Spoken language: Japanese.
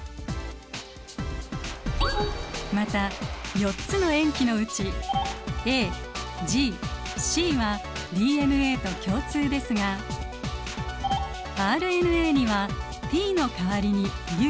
また４つの塩基のうちＡＧＣはＤＮＡと共通ですがＲＮＡには「Ｔ」の代わりに「Ｕ」